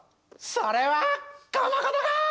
それはこのことか？